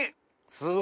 すごい！